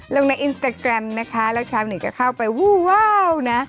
ลงในอินสตาแกรมนะคะแล้วชาวเน็ตก็เข้าไปวู้ว้าวนะ